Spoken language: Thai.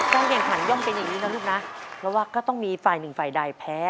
เราว่าก็ต้องมีฝ่ายหนึ่งฝ่ายใดแพ้